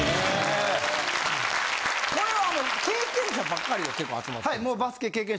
これは経験者ばっかりが結構集まってんの？